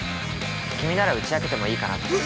君なら打ち明けてもいいかなって。